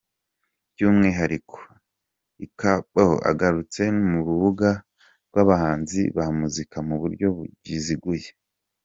By’umwihariko, I-Kabod agarutse mu rubuga rw’abahanzi ba muzika mu buryo buziguye.